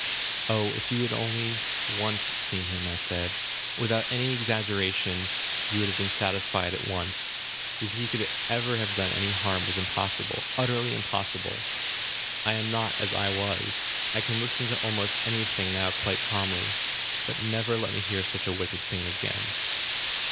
"Oh, if you had only once seen him," I said; "without any exaggeration, you would have been satisfied at once. That he could ever have done any harm was impossible utterly impossible. I am not as I was. I can listen to almost any thing now quite calmly. But never let me hear such a wicked thing again."